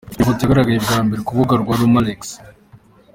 Iyi foto yagaragaye bwa mbere ku rubuga rwa Rumalex.